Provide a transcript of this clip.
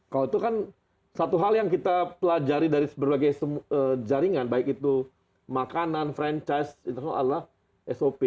kalau itu kan satu hal yang kita pelajari dari berbagai jaringan baik itu makanan franchise internasional adalah sop